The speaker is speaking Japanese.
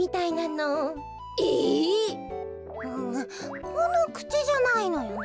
うんこのくちじゃないのよね。